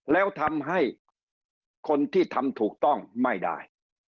แล้วทำให้คนที่ทำถูกต้องไม่ได้